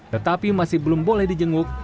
tetapi masih belum boleh dijenguk